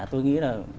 tôi nghĩ là